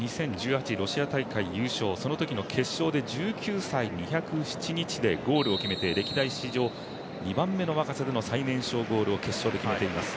ロシア大会優勝、そのとき決勝で１９歳２０７日でゴールを決めて歴代史上２番目の若さでの最年少ゴールを決勝で決めています。